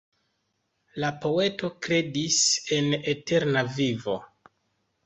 La poeto kredis en eterna vivo.